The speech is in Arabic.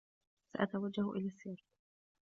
سأتوجّه إلى السّيرك.